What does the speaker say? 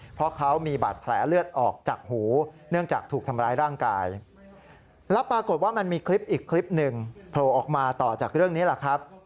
เพราะเขามีบาดแผลเลือดออกจากหูเนื่องจากถูกทำร้ายร่างกายแล้วปรากฏว่ามันมีคลิปอีกคลิปหนึ่งโผล่ออกมาต่อจากเรื่องนี้แหละครับ